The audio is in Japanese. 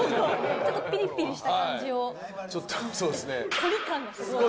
ちょっとピリピリした感じを。